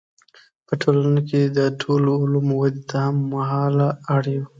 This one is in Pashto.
په ټولنه کې د ټولو علومو ودې ته هم مهاله اړ یو.